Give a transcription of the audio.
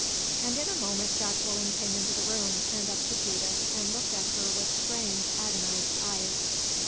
And in a moment Jacqueline came into the room, and up to Judith, and looked at her with strange, agonized eyes.